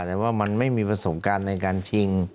แต่ว่ามันไม่มีประสบการณ์ในการชิง